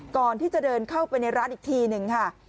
ก่อนที่จะเดินเข้าไปในร้านอีกทีหนึ่งค่ะ